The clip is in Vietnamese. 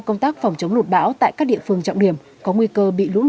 công tác phòng chống lụt bão tại các địa phương trọng điểm có nguy cơ